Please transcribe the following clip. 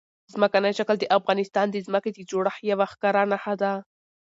ځمکنی شکل د افغانستان د ځمکې د جوړښت یوه ښکاره نښه ده.